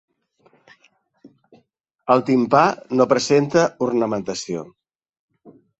El timpà no presenta ornamentació.